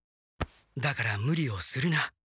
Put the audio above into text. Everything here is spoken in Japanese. だからムリをするな。